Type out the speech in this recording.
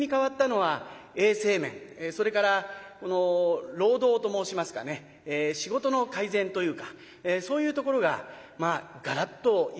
それから労働と申しますかね仕事の改善というかそういうところががらっと今変わったんじゃないかな。